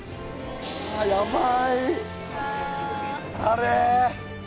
あれ